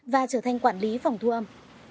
và trở thành quản lý phòng thu âm